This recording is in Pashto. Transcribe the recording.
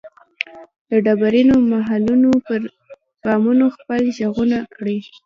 د ډبرینو محلونو پر بامونو خپل ږغونه کري